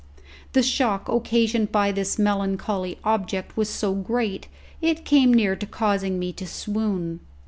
The shock occasioned by this melancholy object was so great, it came near to causing me to swoon.